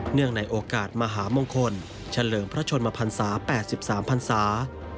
เนื่องในโอกาสมหามงคลเฉลิมพระชนมภรรษา๘๓ภรรษา